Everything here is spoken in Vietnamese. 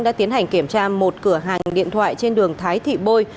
đã tiến hành kiểm tra một cửa hàng điện thoại trên đường thái thị bôi